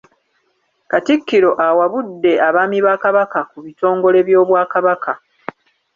Katikkiro awabudde abaami ba kabaka ku bitongole by’Obwakabaka.